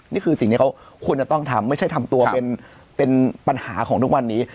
นี่คือสิ่งที่เขาควรจะต้องทำไม่ใช่ทำตัวเป็นปัญหาของทุกวันนี้